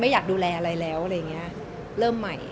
ไม่อยากดูแลอะไรแล้วเริ่มใหม่